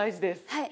はい。